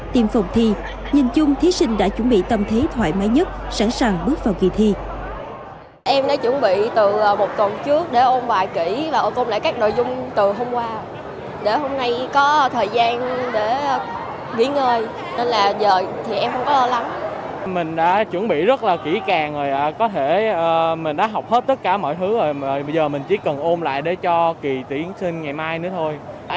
tìm phòng thi nhìn chung thí sinh đã chuẩn bị tâm thế thoải mái nhất sẵn sàng bước vào kỳ thi